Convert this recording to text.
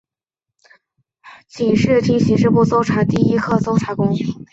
警视厅刑事部搜查第一课搜查官。